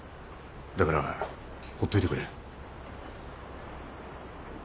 だからほっといてくれ。